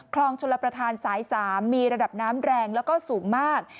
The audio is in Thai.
คลองชลประธานสาย๓มีระดับน้ำแรงแล้วก็สูงมาก